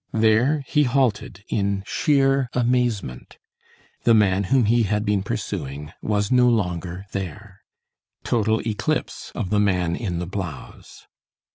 There he halted in sheer amazement. The man whom he had been pursuing was no longer there. Total eclipse of the man in the blouse.